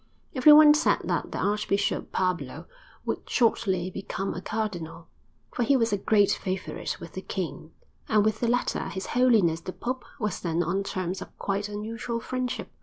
Everyone said that the Archbishop Pablo would shortly become a cardinal, for he was a great favourite with the king, and with the latter His Holiness the Pope was then on terms of quite unusual friendship.